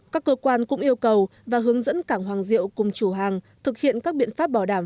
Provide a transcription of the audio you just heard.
các cơ quan cũng yêu cầu và hướng dẫn cảng hoàng diệu cùng chủ hàng thực hiện các biện pháp bảo đảm